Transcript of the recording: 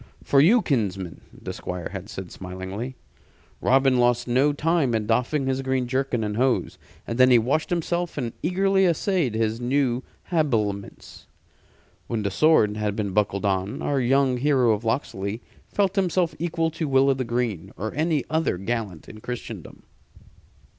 "For you, kinsman," the Squire had said, smilingly. Robin lost no time in doffing his green jerkin and hose, and then he washed himself and eagerly essayed his new habiliments. When the sword had been buckled on, our young hero of Locksley felt himself equal to Will o' th' Green or any other gallant in Christendom.